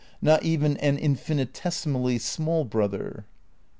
Not even an infinitesimally small brother."